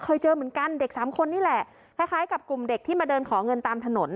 เจอเหมือนกันเด็กสามคนนี่แหละคล้ายกับกลุ่มเด็กที่มาเดินขอเงินตามถนน